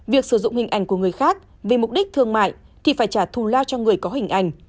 việc sử dụng hình ảnh của người khác vì mục đích thương mại thì phải trả thù lao cho người có hình ảnh